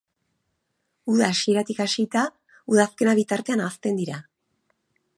Uda hasieratik hasita udazkena bitartean hazten dira.